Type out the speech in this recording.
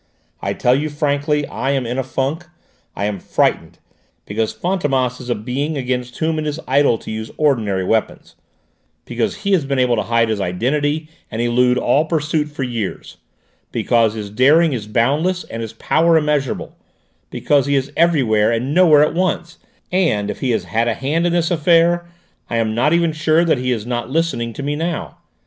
I tell you frankly I am in a funk. I am frightened, because Fantômas is a being against whom it is idle to use ordinary weapons; because he has been able to hide his identity and elude all pursuit for years; because his daring is boundless and his power unmeasurable; because he is everywhere and nowhere at once and, if he has had a hand in this affair, I am not even sure that he is not listening to me now!